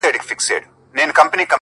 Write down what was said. • له ازله یو قانون د حکومت دی,